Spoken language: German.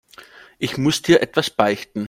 Ich muss dir etwas beichten.